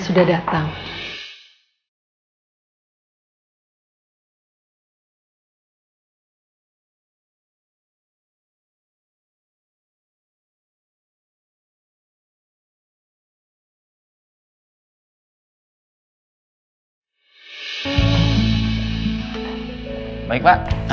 aduh makasih ya